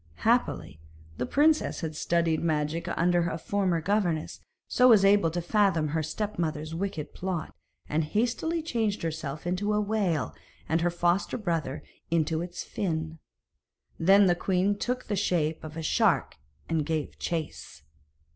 Happily, the princess had studied magic under a former governess, so was able to fathom her step mother's wicked plot, and hastily changed herself into a whale, and her foster brother into its fin. Then the queen took the shape of a shark and gave chase.